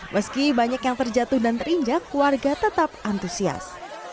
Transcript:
meski banyak yang terjatuh dan terinjak warga tetap antusias